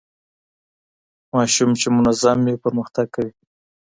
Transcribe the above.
ماشوم چي منظم وي پرمختګ کوي.